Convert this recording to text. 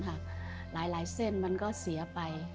หลายเส้นมันก็เสียไป